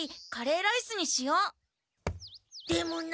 でもな。